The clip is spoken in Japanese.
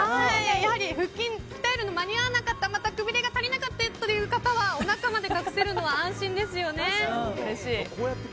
やはり腹筋鍛えるの間に合わなかった方またくびれが足りなかった方はお腹まで隠せるのは安心ですね。